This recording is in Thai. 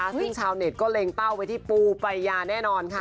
ซึ่งชาวเน็ตก็เล็งเป้าไปที่ปูปรายยาแน่นอนค่ะ